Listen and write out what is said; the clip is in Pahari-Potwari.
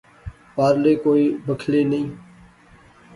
پارلے کوئی بکھلے نئیں